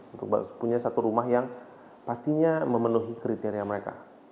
untuk punya satu rumah yang pastinya memenuhi kriteria mereka